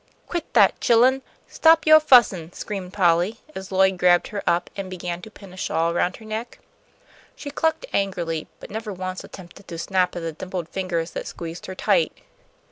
"Quit that, chillun; stop yo' fussin'," screamed Polly, as Lloyd grabbed her up and began to pin a shawl around her neck. She clucked angrily, but never once attempted to snap at the dimpled fingers that squeezed her tight.